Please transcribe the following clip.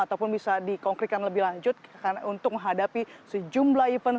ataupun bisa dikonkretkan lebih lanjut untuk menghadapi sejumlah event